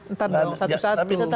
ntar dong satu satu